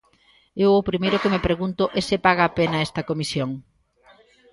Eu o primeiro que me pregunto é se paga a pena esta comisión.